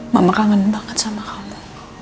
mama kangen banget sama allah